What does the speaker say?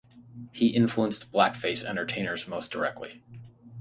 He influenced blackface entertainers most directly.